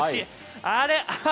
あれ？